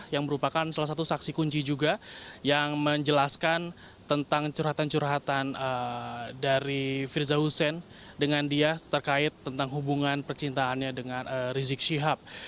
yang merupakan salah satu saksi kunci juga yang menjelaskan tentang curhatan curhatan dari firza hussein dengan dia terkait tentang hubungan percintaannya dengan rizik syihab